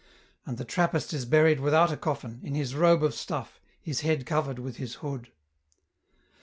"And the Trappist is buried without a coffin, in his robe of stuff, his head covered with his hood.